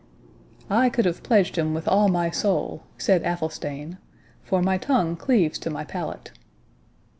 "I could have pledged him with all my soul," said Athelstane, "for my tongue cleaves to my palate."